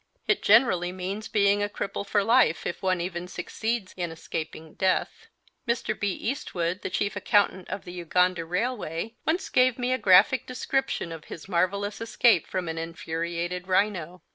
It generally means being a cripple for life, if one even succeeds in escaping death. Mr. B. Eastwood, the chief accountant of the Uganda Railway, once gave me a graphic description of his marvellous escape from an infuriated rhino.